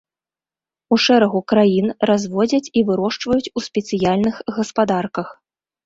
У шэрагу краін разводзяць і вырошчваюць у спецыяльных гаспадарках.